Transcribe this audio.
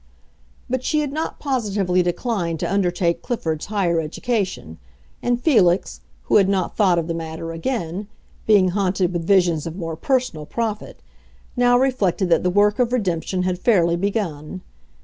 But she had not positively declined to undertake Clifford's higher education, and Felix, who had not thought of the matter again, being haunted with visions of more personal profit, now reflected that the work of redemption had fairly begun.